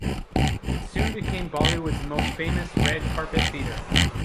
It soon became Bollywood's most famous red-carpet theatre.